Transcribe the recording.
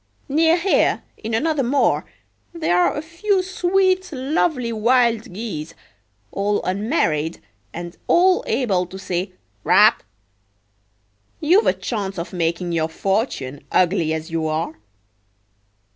Near here, in another moor, there are a few sweet lovely wild geese, all unmarried, and all able to say 'Rap?' You've a chance of making your fortune, ugly as you are."